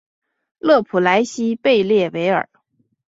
勒普莱西贝勒维尔。